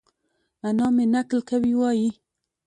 انا مې؛ نکل کوي وايي؛